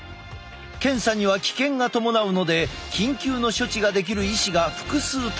検査には危険が伴うので緊急の処置ができる医師が複数待機する。